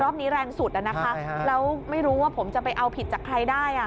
รอบนี้แรงสุดนะคะแล้วไม่รู้ว่าผมจะไปเอาผิดจากใครได้